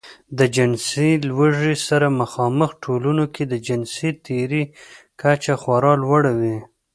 د جنسي لوږې سره مخامخ ټولنو کې د جنسي تېري کچه خورا لوړه وي.